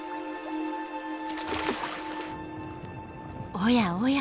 おやおや。